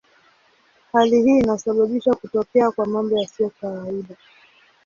Hali hii inasababisha kutokea kwa mambo yasiyo kawaida.